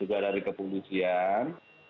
juga dari kepulauan